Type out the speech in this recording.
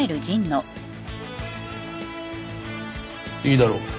いいだろう。